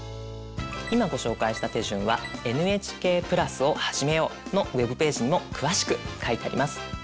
今ご紹介した手順は「ＮＨＫプラスをはじめよう」のウェブページにも詳しく書いてあります。